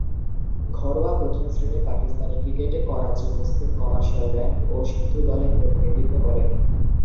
ঘরোয়া প্রথম-শ্রেণীর পাকিস্তানি ক্রিকেটে করাচি, মুসলিম কমার্শিয়াল ব্যাংক ও সিন্ধু দলের প্রতিনিধিত্ব করেন।